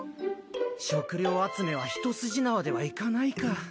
食料集めは一筋縄ではいかないか。